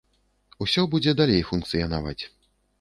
Усё будзе далей функцыянаваць.